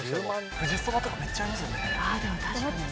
富士そばとかめっちゃありますよね。